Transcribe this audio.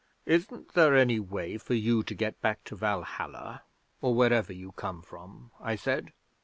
'"Isn't there any way for you to get back to Valhalla, or wherever you come from?" I said.